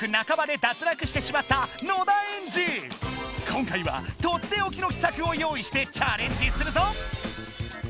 今回はとっておきの秘策を用意してチャレンジするぞ！